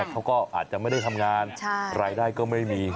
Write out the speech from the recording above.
เขาก็อาจจะไม่ได้ทำงานรายได้ก็ไม่มี